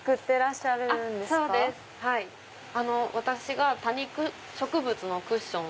私が多肉植物のクッション。